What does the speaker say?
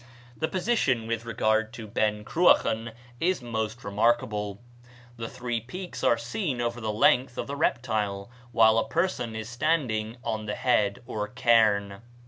The position with regard to Ben Cruachan is most remarkable. The three peaks are seen over the length of the reptile when a person is standing on the head, or cairn.